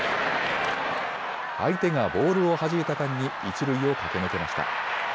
相手がボールをはじいた間に一塁を駆け抜けました。